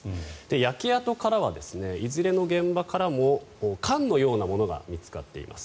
焼け跡からはいずれの現場からも缶のようなものが見つかっています。